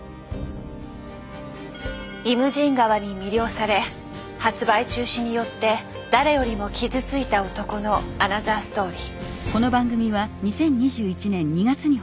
「イムジン河」に魅了され発売中止によって誰よりも傷ついた男のアナザーストーリー。